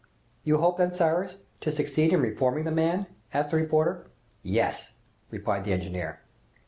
"You hope, then, Cyrus, to succeed in reforming the man?" asked the reporter. "Yes," replied the engineer.